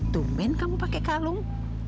tumen kamu pake kalung